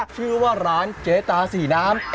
ชื่อว่าร้านเจ๊ตาสีน้ำ